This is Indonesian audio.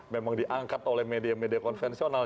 memang diangkat oleh media media konvensional